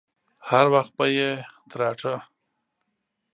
هر وخت به يې تراټه.